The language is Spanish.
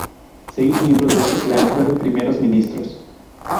Seis miembros de este clan fueron Primeros Ministros.